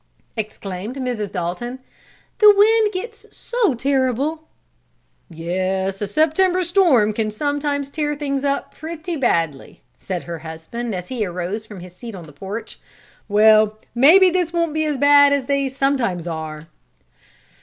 exclaimed Mrs. Dalton. "The wind gets so terrible!" "Yes, a September storm can sometimes tear things up pretty badly," said her husband, as he arose from his seat on the porch. "Well, maybe this won't be as bad as they sometimes are."